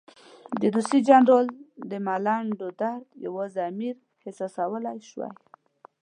د روسي جنرال د ملنډو درد یوازې امیر احساسولای شوای.